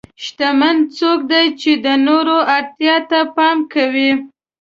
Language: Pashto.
شتمن څوک دی چې د نورو اړتیا ته پام کوي.